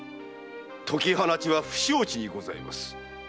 解き放ちは不承知にございます。